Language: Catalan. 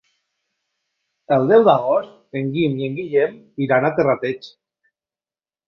El deu d'agost en Guim i en Guillem iran a Terrateig.